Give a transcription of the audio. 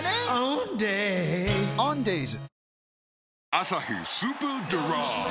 「アサヒスーパードライ」